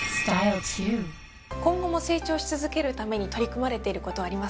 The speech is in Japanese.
今後も成長し続けるために取り組まれていることはありますか？